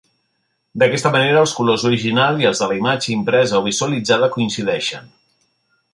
D'aquesta manera els colors originals i els de la imatge impresa o visualitzada coincideixen.